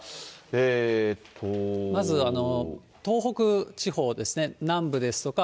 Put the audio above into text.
まず東北地方ですね、南部ですとか、